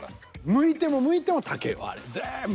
むいてもむいても竹よあれぜんぶ。